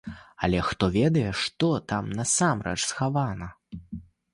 Але хто ведае што там насамрэч схавана?